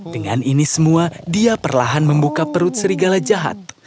dengan ini semua dia perlahan membuka perut serigala jahat